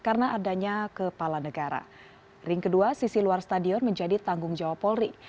ring kedua sisi luar stadion menjadi tanggung jawab polri